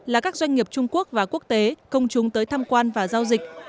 là các doanh nghiệp trung quốc và quốc tế công chúng tới tham quan và giao dịch